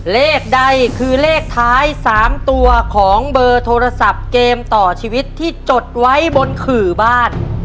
เลขใดคือเลขท้าย๓ตัวของเบอร์โทรศัพท์เกมต่อชีวิตที่จดไว้บนขื่อบ้าน